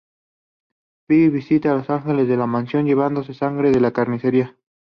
Buffy visita a Ángel en la Mansión, llevándole sangre de la carnicería.